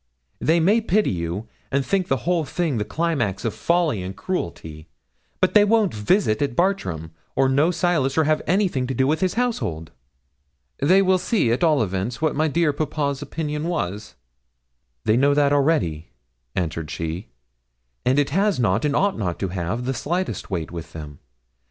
They may pity you, and think the whole thing the climax of folly and cruelty; but they won't visit at Bartram, or know Silas, or have anything to do with his household.' 'They will see, at all events, what my dear papa's opinion was.' 'They know that already,' answered she, 'and it has not, and ought not to have, the slightest weight with them.